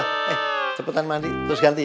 eh cepetan mandi terus ganti ya